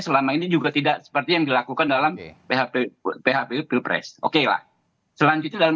selama ini juga tidak seperti yang dilakukan dalam php phpu pilpres oke lah selanjutnya dalam